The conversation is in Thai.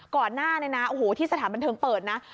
ก่อนหน้าที่สถานบันเทิงเปิดนะ